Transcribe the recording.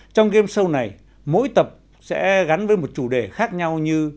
trong game show này mỗi tập sẽ gắn với một chủ đề khác nhau như